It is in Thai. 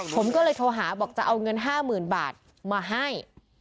ผมก็เลยโทรหาบอกจะเอาเงิน๕๐๐๐บาทมาให้